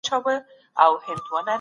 اهداف ټاکل سوي دي.